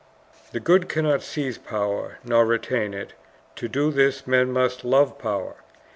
The good cannot seize power, nor retain it; to do this men must love power.